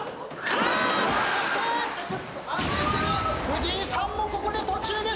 藤井さんもここで。